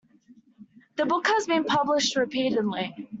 The book has been published repeatedly.